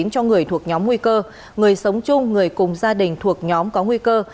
cho người thuộc nhóm nguy cơ người sống chung người cùng gia đình thuộc nhóm có nguy cơ